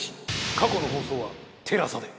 過去の放送はＴＥＬＡＳＡで。